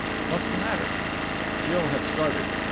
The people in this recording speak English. What's the matter?" Jill had started.